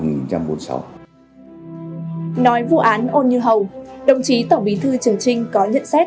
nói vụ án ôn như hầu đồng chí tổng bí thư trường trinh có nhận xét